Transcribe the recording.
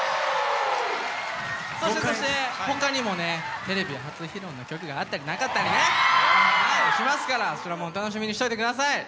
そしてそしてほかにもねテレビ初披露の曲があったりなかったりねしますからそちらもお楽しみにしといてください。